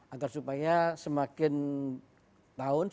agar supaya semakin tahun semakin banyak yang akan berada di dalam keadaan kita